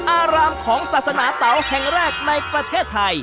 อารามของศาสนาเตาแห่งแรกในประเทศไทย